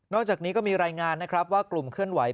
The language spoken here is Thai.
จากนี้ก็มีรายงานนะครับว่ากลุ่มเคลื่อนไหว